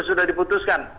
dan itu sudah diputuskan